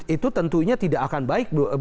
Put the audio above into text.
itu tentunya tidak akan baik buat perekonomian amerika